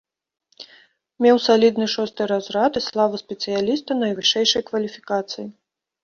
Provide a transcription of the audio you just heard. Меў салідны шосты разрад і славу спецыяліста найвышэйшай кваліфікацыі.